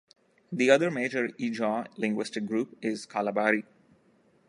The other major Ijaw linguistic group is Kalabari.